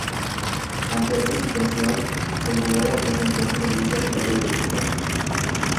Ante esta situación, Segurola presentó su renuncia al cargo de director.